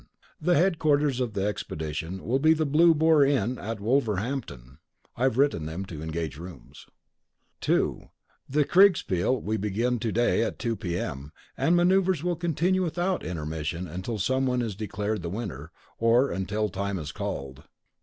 The headquarters of the expedition will be the Blue Boar Inn at Wolverhampton. (I've written to them to engage rooms.) "2. The Kriegspiel will begin to day at 2 P.M., and manoeuvres will continue without intermission until someone is declared the winner, or until time is called.